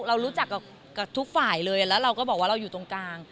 เรารู้จักกับทุกฝ่ายเลยแล้วเราก็บอกว่าเราอยู่ตรงกลาง